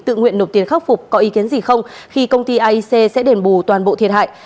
tự nguyện nộp tiền khắc phục có ý kiến gì không khi công ty aic sẽ đền bù toàn bộ thiệt hại